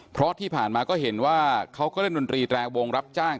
เพราะที่ผ่านมาก็เห็นว่าเขาก็เล่นดนตรีแตรวงรับจ้าง